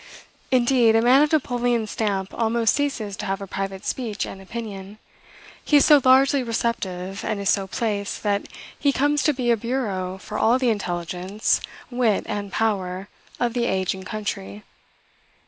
Indeed, a man of Napoleon's stamp almost ceases to have a private speech and opinion. He is so largely receptive, and is so placed, that he comes to be a bureau for all the intelligence, wit, and power, of the age and country.